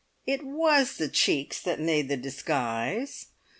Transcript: It was the cheeks that made the disguise!